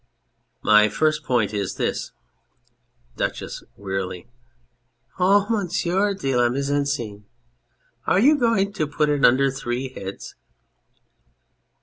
My first point is this DUCHESS (wearily). Oh, Monsieur de la Mise en Scene, are you going to put it under three heads